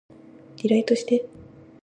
リライトして